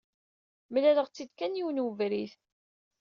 Mlaleɣ-tt-id kan yiwen webrid.